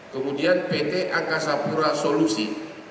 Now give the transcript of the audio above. kemudian pt angkasa pura solusi